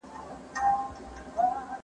ولې خلک برېښنا غواړي؟